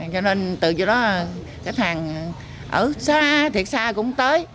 cho nên từ chỗ đó khách hàng ở xa thiệt xa cũng tới